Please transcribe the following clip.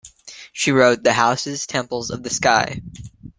She wrote "The Houses: Temples of the Sky".